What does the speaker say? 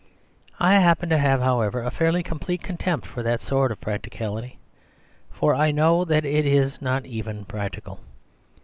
I happen to have, however, a fairly complete contempt for that sort of practicality; for I know that it is not even practical.